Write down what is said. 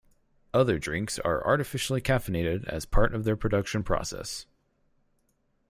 Other drinks are artificially caffeinated as part of their production process.